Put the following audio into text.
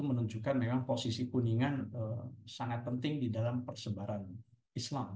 dan itu menunjukkan memang posisi kuningan sangat penting di dalam persebaran islam